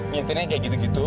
nyantainya kayak gitu gitu